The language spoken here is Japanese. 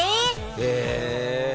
へえ。